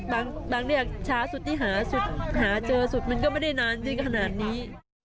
บางเรียกช้าสุดที่หาสุดหาเจอสุดมันก็ไม่ได้นานถึงขนาดนี้